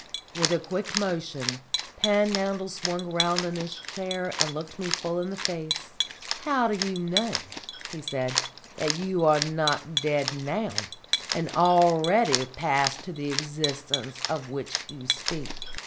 With a quick motion Panhandle swung round in his chair and looked me full in the face. "How do you know," he said, "that you are not dead now, and already passed to the existence of which you speak?"